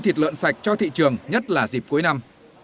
thịt lợn sạch cho thị trường nhất là dịp cuối năm